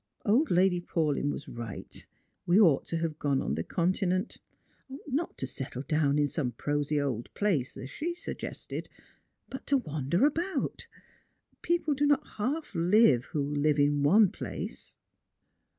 Old Lady Paulyn was right ; we ought to have gone on the Continent. Not to settle down in some prosy old place, as she suggested, but to wander about. People do not half live who live in one place."